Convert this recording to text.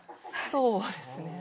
そうですね。